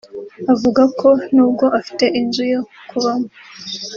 Avuga ko nubwo afite inzu yo kubamo